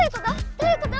どういうこと？